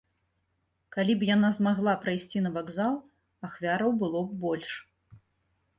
Калі б яна змагла прайсці на вакзал, ахвяраў было б больш.